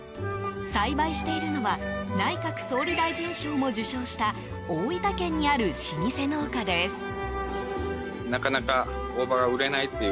栽培しているのは内閣総理大臣賞も受賞した大分県にある老舗農家です。